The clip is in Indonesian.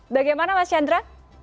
bagaimana mas chandra